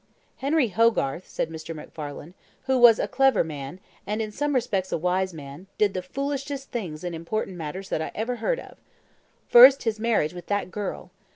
"Henry Hogarth," said Mr. MacFarlane, "who was a clever man, and in some respects a wise man, did the foolishest things in important matters that ever I heard of. First, his marriage with that girl.